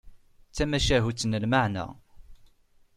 D tamacahut n lmeɛna.